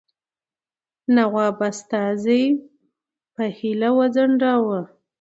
نواب استازی په هیله وځنډاوه.